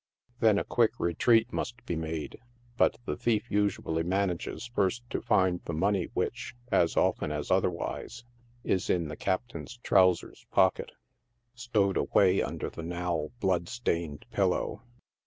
Then a quick retreat must be made, but the thief usually manages first to find the money, which, as often as otherwise, is in the captain's trousers pocket, stowed away under the now blood stained pillow.